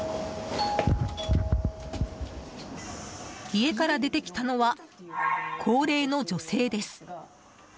家から出てきたのは高齢の女性です。